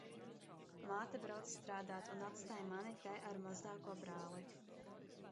Māte brauc strādāt un atstāj mani te ar mazāko brāli.